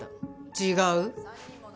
違う？